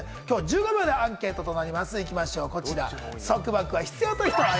きょうは１５秒でアンケートとなります。